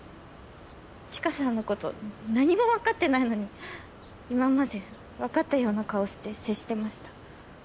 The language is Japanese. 知花さんのこと何も分かってないのに今まで分かったような顔して接してました。